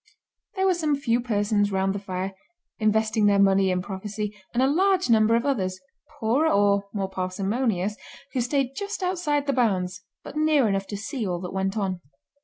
There were some few persons round the fire, investing their money in prophecy, and a large number of others, poorer or more parsimonious, who stayed just outside the bounds but near enough to see all that went on.